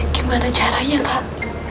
gimana caranya kak